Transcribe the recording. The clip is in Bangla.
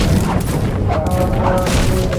খাওয়া তো খেয়ে নে!